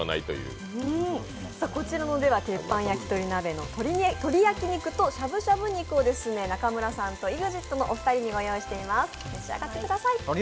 鉄板焼鳥鍋の鶏焼き肉としゃぶしゃぶ肉を中村さんとＥＸＩＴのお二人に用意しております。